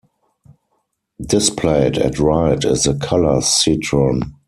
Displayed at right is the color citron.